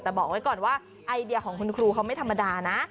แต่บอกไว้ก่อนว่าไอเดียของคุณครูเขาไม่ธรรมดานะ